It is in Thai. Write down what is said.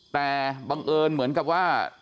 แต่บังเอิญเหมือนกับว่า